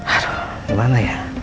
aduh gimana ya